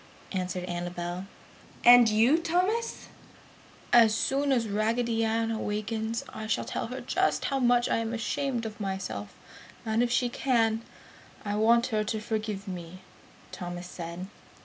answered Annabel, "And you, Thomas?" "As soon as Raggedy Ann awakens, I shall tell her just how much ashamed I am of myself and if she can, I want her to forgive me!" Thomas said.